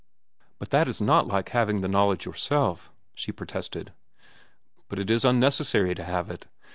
"But that is not like having the knowledge yourself," she protested. "But it is unnecessary to have it.